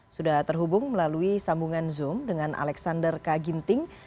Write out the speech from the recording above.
sudah terhubung melalui sambungan zoom dengan alexander kaginting